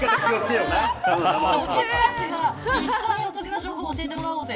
一緒にお得な情報教えてもらおうぜ。